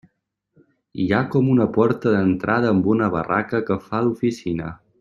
Hi ha com una porta d'entrada amb una barraca que fa d'oficina.